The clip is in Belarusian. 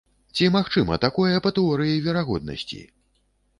Ці магчыма такое па тэорыі верагоднасці?